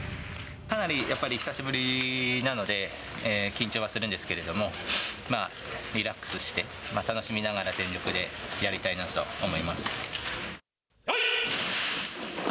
かなりやっぱり久しぶりなので、緊張はするんですけれども、リラックスして、楽しみながら全力でやりたいなと思います。